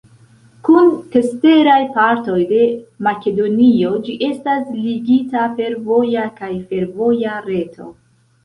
Kun ceteraj partoj de Makedonio ĝi estas ligita per voja kaj fervoja reto.